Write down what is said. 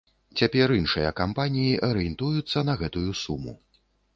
Цяпер іншыя кампаніі арыентуюцца на гэтую суму.